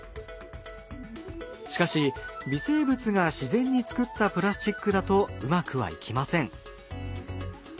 しかし微生物が自然に作ったプラスチックだとうまくはいきません。